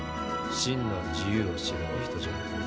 真の自由を知るお人じゃ。